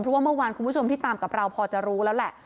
เพราะว่าเมื่อวานคุณผู้ชมที่ตามกับเราพอจะรู้แล้วแหละ